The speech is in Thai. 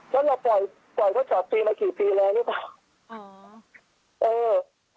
แล้วเราปล่อยรถจอดปีมากี่ปีแล้วหรือเปล่า